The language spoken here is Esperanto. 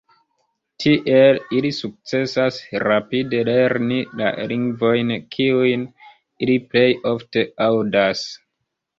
Tiel ili sukcesas rapide lerni la lingvojn, kiujn ili plej ofte aŭdas.